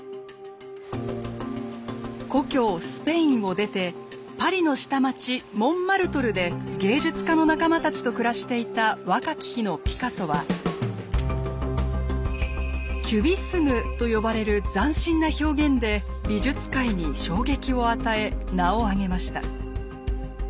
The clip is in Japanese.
故郷スペインを出てパリの下町モンマルトルで芸術家の仲間たちと暮らしていた若き日のピカソはキュビスムと呼ばれる斬新な表現で美術界に衝撃を与え名を上げました。